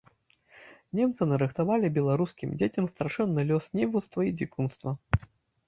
Немцы нарыхтавалі беларускім дзецям страшэнны лёс невуцтва і дзікунства.